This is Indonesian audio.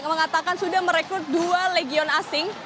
mengatakan sudah merekrut dua legion asing